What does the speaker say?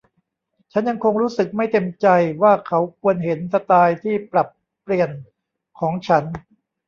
ฉันยังคงรู้สึกไม่เต็มใจว่าเขาควรเห็นสไตล์ที่ปรับเปลี่ยนของฉัน